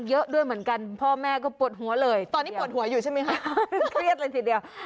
ช่วยให้ปวดหัวนี่แหละค่ะค่ะ